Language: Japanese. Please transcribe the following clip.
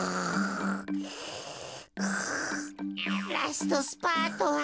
ラストスパートは。